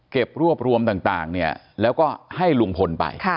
เก็บรวบรวมต่างเนี่ยแล้วก็ให้ลุงพลไป